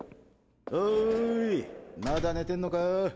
おいまだ寝てんのか？